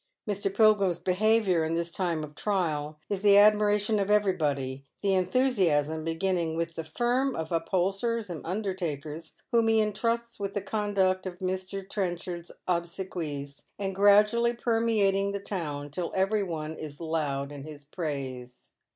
Mr. Pilgrim's behavioui in this time of trial is the admiration of everybody, the enthusiasm beginning with the fiiTa of upholsterers and undertakers whom he entrusts with the con duct of Mr. Trenchard's obsequies, and gradually permeating the town till every one is loud in his praise.